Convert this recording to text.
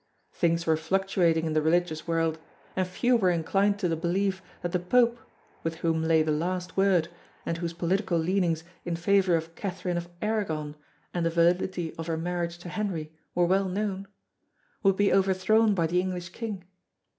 Things were fluctuating in the religious world and few were inclined to the belief that the Pope (with whom lay the last word and whose political leanings in favour of Catherine of Aragon and the validity of her marriage to Henry were well known) would be overthrown by the English King.